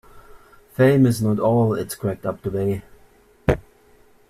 Fame is not all it's cracked up to be.